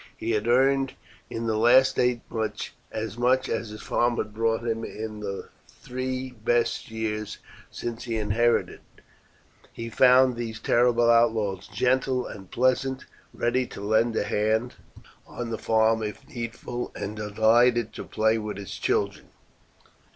He had earned in the last eight months as much as his farm had brought him in the three best years since he inherited it. He found these terrible outlaws gentle and pleasant, ready to lend a hand on the farm if needful, and delighted to play with his children.